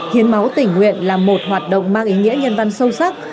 hiến máu tỉnh nguyện là một hoạt động mang ý nghĩa nhân văn sâu sắc